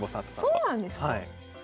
あそうなんですか。